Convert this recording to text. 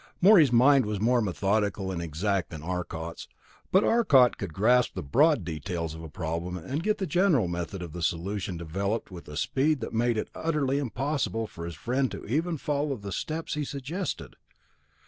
Morey's mind was more methodical and exact than Arcot's, but Arcot could grasp the broad details of a problem and get the general method of solution developed with a speed that made it utterly impossible for his friend even to follow the steps he suggested.